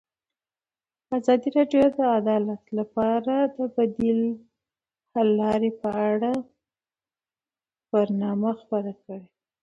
ازادي راډیو د عدالت لپاره د بدیل حل لارې په اړه برنامه خپاره کړې.